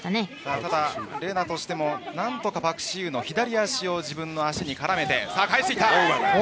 ただＲＥＮＡとしても何とかパク・シウの左足を自分の足に絡めて。